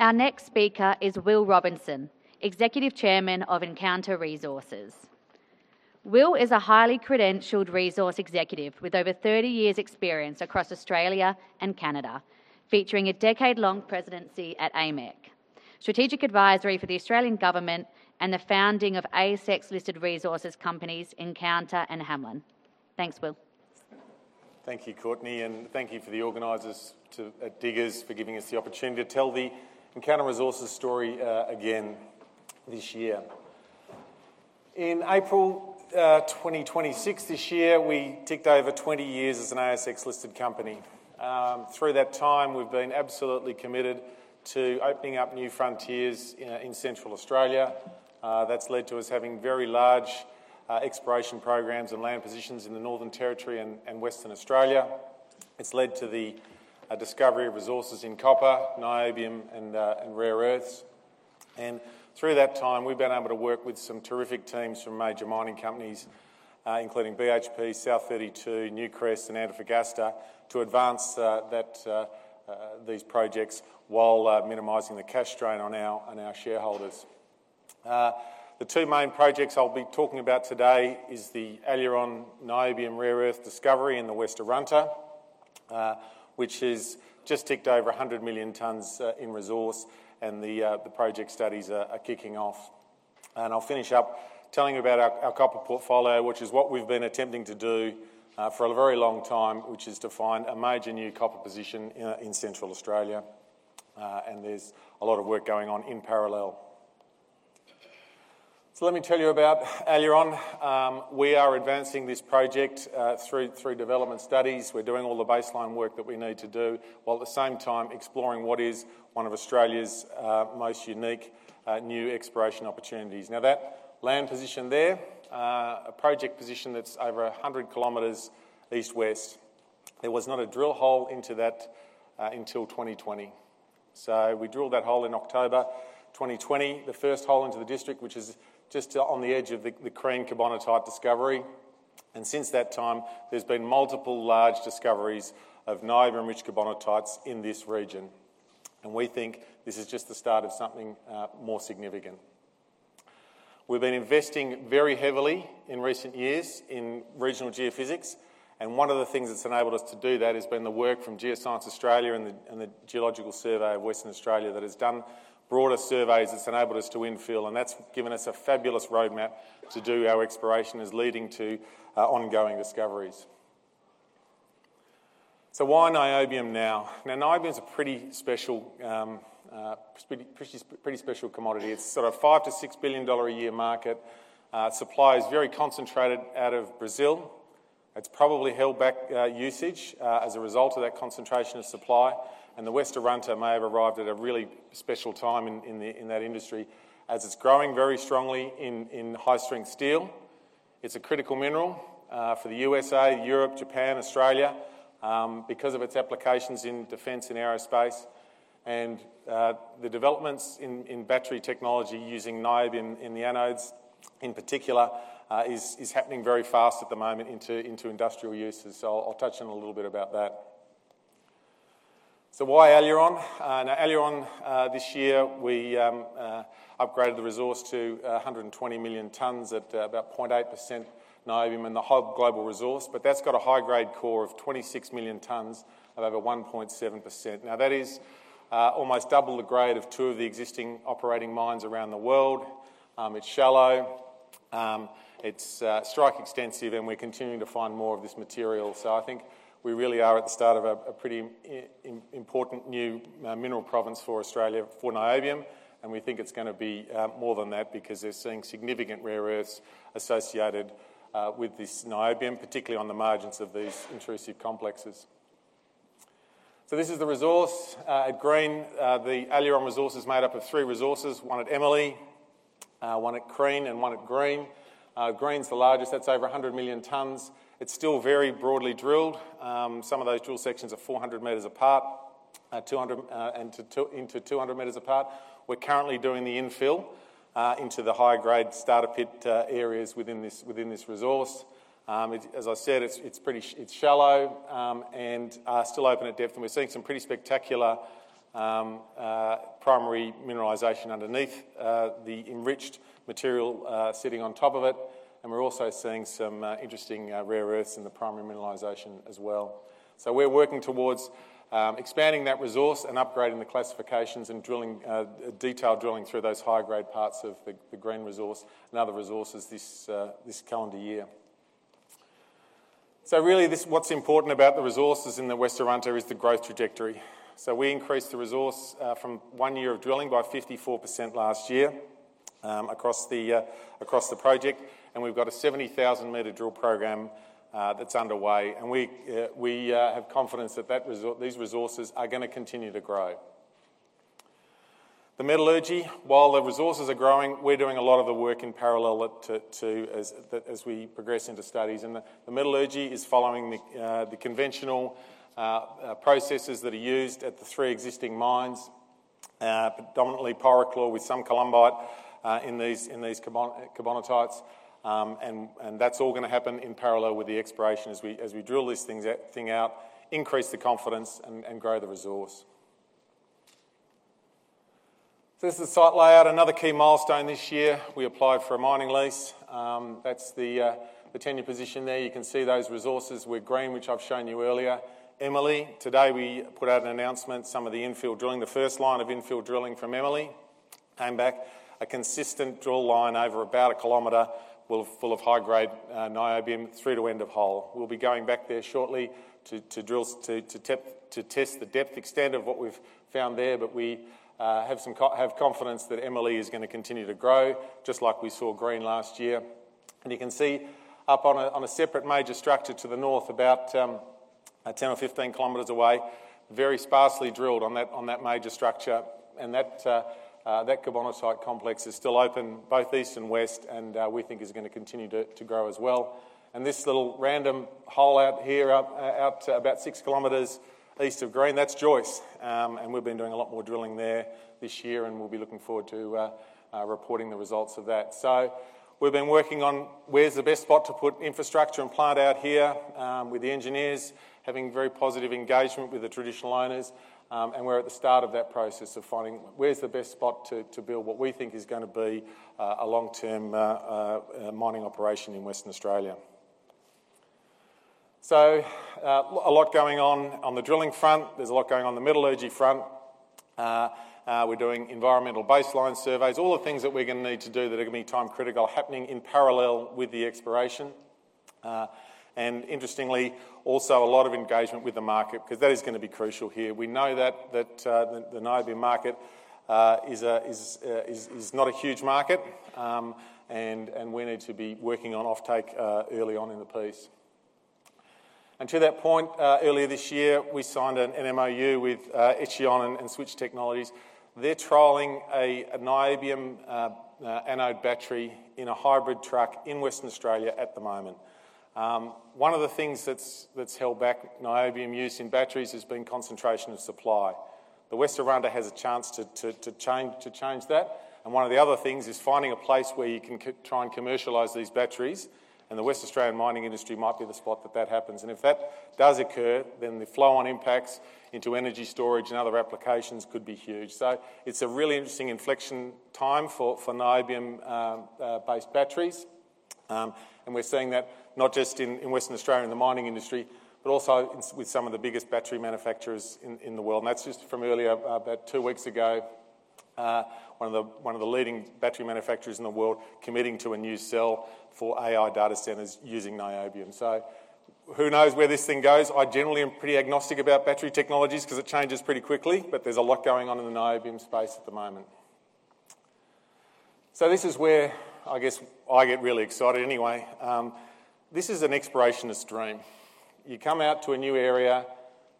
Our next speaker is Will Robinson, Executive Chairman of Encounter Resources. Will is a highly credentialed resource executive with over 30 years experience across Australia and Canada, featuring a decade-long presidency at AMEC, strategic advisory for the Australian Government, and the founding of ASX listed resources companies Encounter and Hamelin. Thanks, Will. Thank you, Courtney, and thank you for the organizers at Diggers for giving us the opportunity to tell the Encounter Resources story again this year. In April 2026, this year, we ticked over 20 years as an ASX listed company. Through that time, we've been absolutely committed to opening up new frontiers in Central Australia. That's led to us having very large exploration programs and land positions in the Northern Territory and Western Australia. It's led to the discovery of resources in copper, niobium, and rare earths. Through that time, we've been able to work with some terrific teams from major mining companies, including BHP, South32, Newcrest, and Antofagasta to advance these projects while minimizing the cash strain on our shareholders. The two main projects I'll be talking about today is the Aileron niobium rare earth discovery in the West Arunta, which has just ticked over 100 million tons in resource and the project studies are kicking off. I'll finish up telling you about our copper portfolio, which is what we've been attempting to do for a very long time, which is to find a major new copper position in Central Australia. There's a lot of work going on in parallel. Let me tell you about Aileron. We are advancing this project through development studies. We're doing all the baseline work that we need to do, while at the same time exploring what is one of Australia's most unique new exploration opportunities. That land position there, a project position that's over 100 kilometers east-west. There was not a drill hole into that until 2020. We drilled that hole in October 2020, the first hole into the district, which is just on the edge of the Crane carbonatite discovery. Since that time, there's been multiple large discoveries of niobium-rich carbonatites in this region. We think this is just the start of something more significant. We've been investing very heavily in recent years in regional geophysics, one of the things that's enabled us to do that has been the work from Geoscience Australia and the Geological Survey of Western Australia that has done broader surveys that's enabled us to infill, that's given us a fabulous roadmap to do our exploration is leading to ongoing discoveries. Why niobium now? Niobium is a pretty special commodity. It's an AUD 5 billion-AUD 6 billion a year market. Supply is very concentrated out of Brazil. The West Arunta may have arrived at a really special time in that industry, as it's growing very strongly in high-strength steel. It's a critical mineral for the U.S.A., Europe, Japan, Australia, because of its applications in defense and aerospace. The developments in battery technology using niobium in the anodes in particular, is happening very fast at the moment into industrial uses. I'll touch on a little bit about that. Why Aileron? Aileron, this year, we upgraded the resource to 120 million tons at about 0.8% niobium in the whole global resource, but that's got a high-grade core of 26 million tons at over 1.7%. That is almost double the grade of two of the existing operating mines around the world. It's shallow. It's strike extensive, We're continuing to find more of this material. I think we really are at the start of a pretty important new mineral province for Australia for niobium, We think it's going to be more than that because they're seeing significant rare earths associated with this niobium, particularly on the margins of these intrusive complexes. This is the resource at Green. The Aileron resource is made up of three resources, one at Emily, one at Crane, and one at Green. Green's the largest. That's over 100 million tons. It's still very broadly drilled. Some of those drill sections are 400 m apart into 200 m apart. We're currently doing the infill into the high-grade starter pit areas within this resource. As I said, it's shallow and still open at depth, We're seeing some pretty spectacular primary mineralization underneath the enriched material sitting on top of it, We're also seeing some interesting rare earths in the primary mineralization as well. We're working towards expanding that resource and upgrading the classifications and detailed drilling through those high-grade parts of the Green resource and other resources this calendar year. Really, what's important about the resources in the West Arunta is the growth trajectory. We increased the resource from one year of drilling by 54% last year across the project, We've got a 70,000 m drill program that's underway, We have confidence that these resources are going to continue to grow. The metallurgy, while the resources are growing, we're doing a lot of the work in parallel as we progress into studies, the metallurgy is following the conventional processes that are used at the three existing mines Predominantly pyroxene with some columbite in these carbonatites. That's all going to happen in parallel with the exploration as we drill this thing out, increase the confidence, and grow the resource. This is the site layout. Another key milestone this year, we applied for a mining lease. That's the tenure position there. You can see those resources with Green, which I've shown you earlier. Emily, today we put out an announcement, some of the infill drilling. The first line of infill drilling from Emily came back a consistent drill line over about a kilometer full of high-grade niobium through to end of hole. We'll be going back there shortly to test the depth extent of what we've found there. We have confidence that Emily is going to continue to grow, just like we saw Green last year. You can see up on a separate major structure to the north about 10 or 15 kilometers away, very sparsely drilled on that major structure, and that carbonatite complex is still open both east and west and we think is going to continue to grow as well. This little random hole out here out about 6 km east of Green, that's Joyce. We've been doing a lot more drilling there this year, and we'll be looking forward to reporting the results of that. We've been working on where's the best spot to put infrastructure and plant out here, with the engineers having very positive engagement with the traditional owners. We're at the start of that process of finding where's the best spot to build what we think is going to be a long-term mining operation in Western Australia. A lot going on on the drilling front. There's a lot going on the metallurgy front. We're doing environmental baseline surveys, all the things that we're going to need to do that are going to be time-critical, happening in parallel with the exploration. Interestingly, also a lot of engagement with the market, because that is going to be crucial here. We know that the niobium market is not a huge market, and we need to be working on offtake early on in the piece. To that point, earlier this year, we signed an MOU with Echion and Switch Technologies. They're trialing a niobium anode battery in a hybrid truck in Western Australia at the moment. One of the things that's held back niobium use in batteries has been concentration of supply. The West Arunta has a chance to change that, and one of the other things is finding a place where you can try and commercialize these batteries, and the Western Australian mining industry might be the spot that that happens. If that does occur, then the flow-on impacts into energy storage and other applications could be huge. It's a really interesting inflection time for niobium-based batteries. We're seeing that not just in Western Australia in the mining industry, but also with some of the biggest battery manufacturers in the world. That's just from earlier, about two weeks ago, one of the leading battery manufacturers in the world committing to a new cell for AI data centers using niobium. Who knows where this thing goes? I generally am pretty agnostic about battery technologies because it changes pretty quickly, but there's a lot going on in the niobium space at the moment. This is where I get really excited anyway. This is an explorationist dream. You come out to a new area,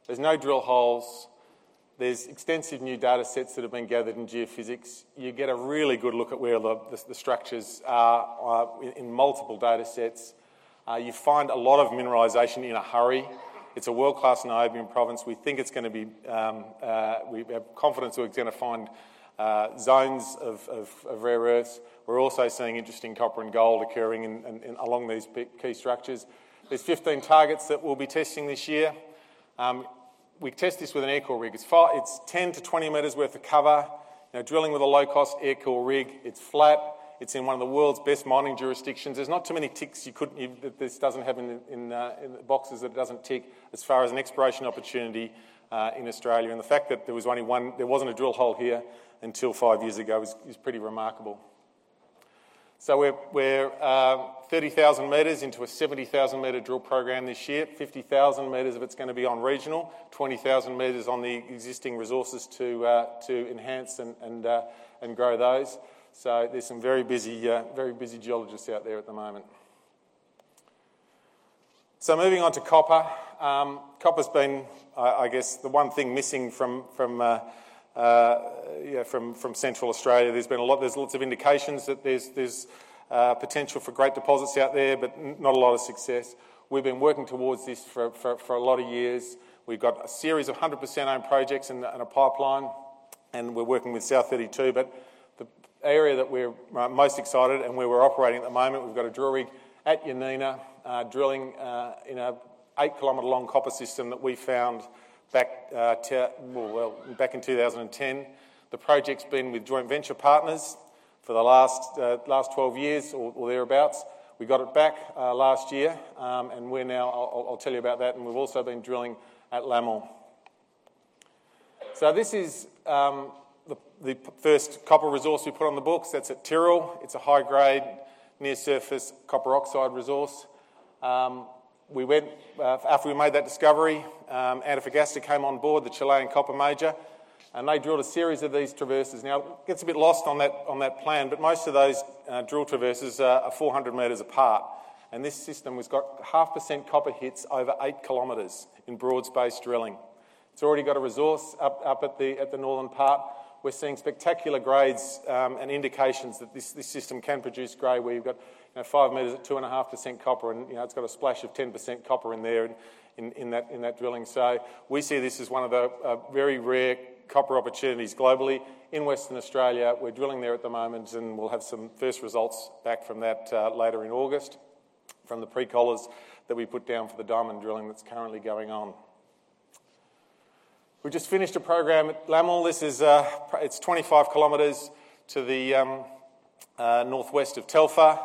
there's no drill holes, there's extensive new data sets that have been gathered in geophysics. You get a really good look at where the structures are in multiple data sets. You find a lot of mineralization in a hurry. It's a world-class niobium province. We have confidence that we're going to find zones of rare earths. We're also seeing interesting copper and gold occurring along these key structures. There's 15 targets that we'll be testing this year. We test this with an air core rig. It's 10 to 20 m worth of cover. Drilling with a low-cost air core rig. It's flat. It's in one of the world's best mining jurisdictions. There's not too many ticks that this doesn't have in the boxes that it doesn't tick as far as an exploration opportunity in Australia. The fact that there wasn't a drill hole here until five years ago is pretty remarkable. We're 30,000 m into a 70,000 m drill program this year. 50,000 m of it's going to be on regional, 20,000 m on the existing resources to enhance and grow those. There's some very busy geologists out there at the moment. Moving on to copper. Copper's been the one thing missing from Central Australia. There's lots of indications that there's potential for great deposits out there, but not a lot of success. We've been working towards this for a lot of years. We've got a series of 100%-owned projects in a pipeline, and we're working with South32. The area that we're most excited and where we're operating at the moment, we've got a drill rig at Yeneena, drilling an eight-kilometer-long copper system that we found back in 2010. The project's been with joint venture partners for the last 12 years or thereabouts. We got it back last year, and I'll tell you about that, and we've also been drilling at Lamil. This is the first copper resource we put on the books. That's at Tyree. It's a high-grade near-surface copper oxide resource. After we made that discovery, Antofagasta came on board, the Chilean copper major, and they drilled a series of these traverses. It gets a bit lost on that plan, but most of those drill traverses are 400 m apart, and this system has got half percent copper hits over eight kilometers in broad-based drilling. It's already got a resource up at the northern part. We're seeing spectacular grades and indications that this system can produce grade, where you've got five meters at 2.5% copper, and it's got a splash of 10% copper in there in that drilling. We see this as one of the very rare copper opportunities globally in Western Australia. We're drilling there at the moment, and we'll have some first results back from that later in August from the pre-collars that we put down for the diamond drilling that's currently going on. We just finished a program at Lamil. It's 25 km to the northwest of Telfer.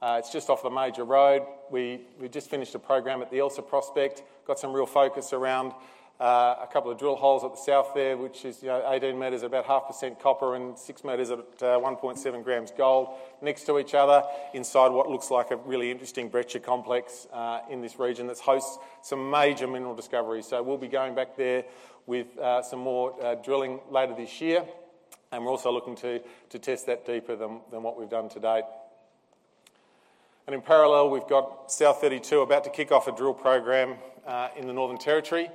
It's just off a major road. We just finished a program at the Elsa prospect. Got some real focus around a couple of drill holes at the south there, which is 18 m, about half percent copper and 6 m at 1.7 g gold next to each other inside what looks like a really interesting breccia complex in this region that hosts some major mineral discoveries. We'll be going back there with some more drilling later this year, and we're also looking to test that deeper than what we've done to date. In parallel, we've got South32 about to kick off a drill program in the Northern Territory.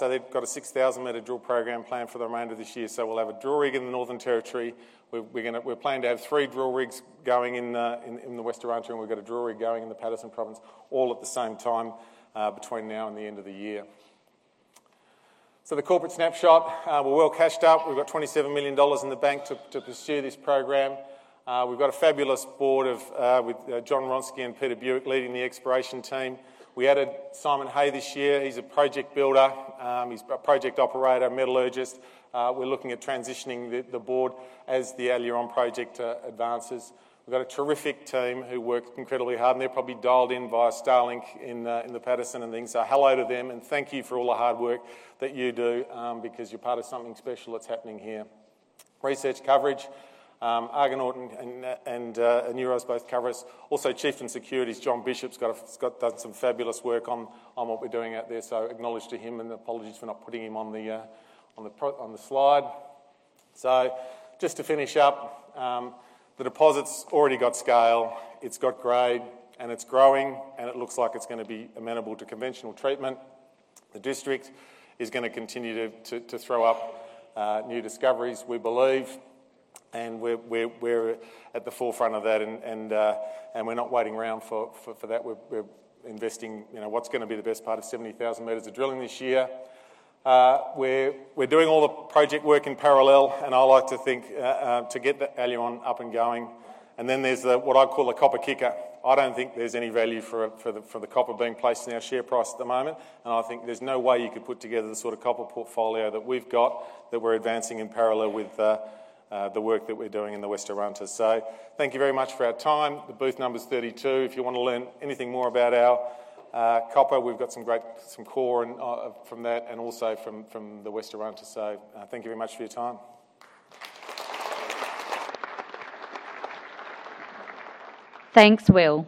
They've got a 6,000 m drill program planned for the remainder of this year. We'll have a drill rig in the Northern Territory. We're planning to have three drill rigs going in the West Arunta, and we've got a drill rig going in the Paterson Province all at the same time between now and the end of the year. The corporate snapshot. We're well cashed up. We've got 27 million dollars in the bank to pursue this program. We've got a fabulous board with Jon Hronsky and Peter Bewick leading the exploration team. We added Simon Hay this year. He's a project builder. He's a project operator, metallurgist. We're looking at transitioning the board as the Aileron project advances. We've got a terrific team who work incredibly hard, and they're probably dialed in via Starlink in the Paterson and things. Hello to them and thank you for all the hard work that you do because you're part of something special that's happening here. Research coverage. Argonaut and Euroz both cover us. [Chief and Securities] John Bishop's done some fabulous work on what we're doing out there, so acknowledge to him and apologies for not putting him on the slide. Just to finish up. The deposit's already got scale, it's got grade, and it's growing, and it looks like it's going to be amenable to conventional treatment. The district is going to continue to throw up new discoveries, we believe, and we're at the forefront of that and we're not waiting around for that. We're investing what's going to be the best part of 70,000 m of drilling this year. We're doing all the project work in parallel, and I like to think to get that Aileron up and going. Then there's what I call a copper kicker. I don't think there's any value for the copper being placed in our share price at the moment and I think there's no way you could put together the sort of copper portfolio that we've got that we're advancing in parallel with the work that we're doing in the West Arunta. Thank you very much for our time. The booth number's 32. If you want to learn anything more about our copper, we've got some great, some core from that and also from the West Arunta. Thank you very much for your time. Thanks, Will